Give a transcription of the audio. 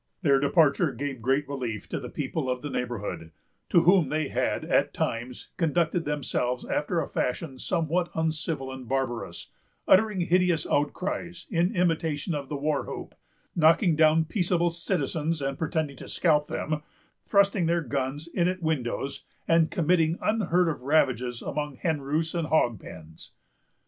Their departure gave great relief to the people of the neighborhood, to whom they had, at times, conducted themselves after a fashion somewhat uncivil and barbarous; uttering hideous outcries, in imitation of the war whoop; knocking down peaceable citizens, and pretending to scalp them; thrusting their guns in at windows, and committing unheard of ravages among hen roosts and hog pens.